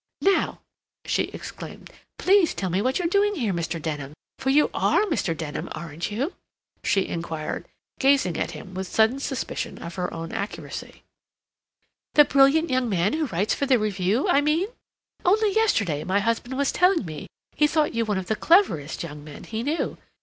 "Now," she exclaimed, "please tell me what you're doing here, Mr. Denham—for you are Mr. Denham, aren't you?" she inquired, gazing at him with a sudden suspicion of her own accuracy. "The brilliant young man who writes for the Review, I mean? Only yesterday my husband was telling me he thought you one of the cleverest young men he knew.